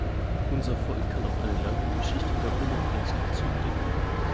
Unser Volk kann auf eine lange Geschichte der Unabhängigkeit zurückblicken.